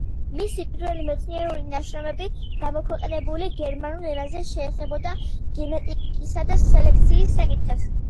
მისი პირველი მეცნიერული ნაშრომები, გამოქვეყნებული გერმანულ ენაზე შეეხებოდა გენეტიკისა და სელექციის საკითხებს.